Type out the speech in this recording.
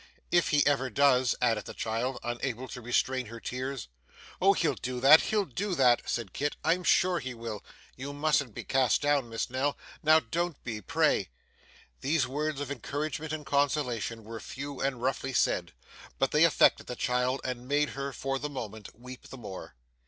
' If he ever does,' added the child, unable to restrain her tears. 'Oh, he'll do that, he'll do that,' said Kit. 'I'm sure he will. You mustn't be cast down, Miss Nell. Now don't be, pray!' These words of encouragement and consolation were few and roughly said, but they affected the child and made her, for the moment, weep the more.